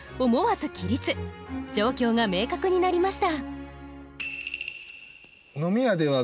状況が明確になりました。